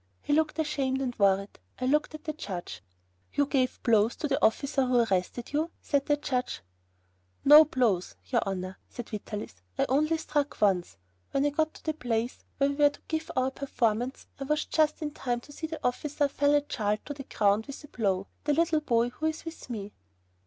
He looked ashamed and worried. I looked at the judge. "You gave blows to the officer who arrested you," said the judge. "Not blows, your Honor," said Vitalis, "I only struck once. When I got to the place where we were to give our performance, I was just in time to see the officer fell a child to the ground with a blow, the little boy who is with me."